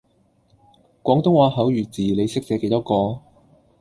廣東話口語字你識寫幾多個?